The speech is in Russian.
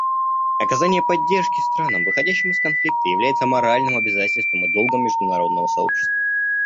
Оказание поддержки странам, выходящим из конфликта, является моральным обязательством и долгом международного сообщества.